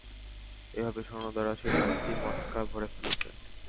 এভাবে স্বর্ণ দ্বারা সে সাতটি মটকা ভরে ফেলেছে।